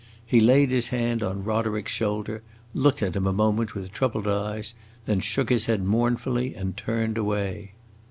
He laid his hand on Roderick's shoulder, looked at him a moment with troubled eyes, then shook his head mournfully and turned away.